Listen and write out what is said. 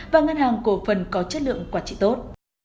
và ngân hàng cổ phần có chất lượng quản trị tốt